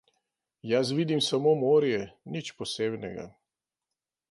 Jaz vidim samo morje, nič posebnega.